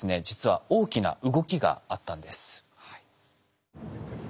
実は大きな動きがあったんです。